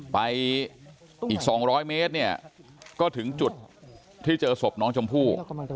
ไปอีก๒๐๐เมตรเนี่ยก็ถึงจุดที่เจอศพน้องชมพู่